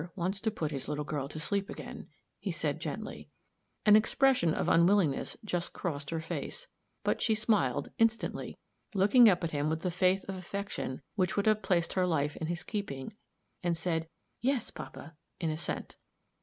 "Father wants to put his little girl to sleep again," he said, gently. An expression of unwillingness just crossed her face; but she smiled, instantly, looking up at him with the faith of affection which would have placed her life in his keeping, and said, "Yes, papa," in assent.